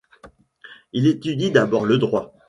Il étudie d'abord le Droit.